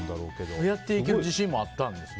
そうやっていける自信もあったんですね。